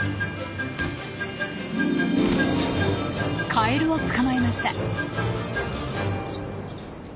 カエルを捕まえました。